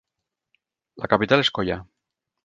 La capital és Coyah.